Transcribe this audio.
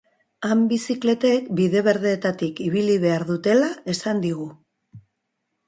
Han bizikletek bide berdeetatik ibili behar dutela esan digu.